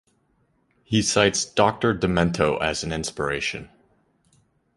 He cites Doctor Demento as an inspiration.